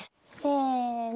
せの。